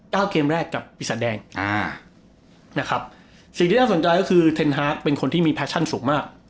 เกมแรกกับปีศาจแดงอ่านะครับสิ่งที่น่าสนใจก็คือเทนฮาร์กเป็นคนที่มีแฟชั่นสูงมาก